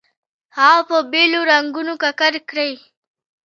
هغه په بېلو رنګونو ککړ کړئ.